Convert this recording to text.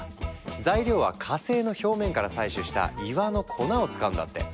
材料は火星の表面から採取した岩の粉を使うんだって！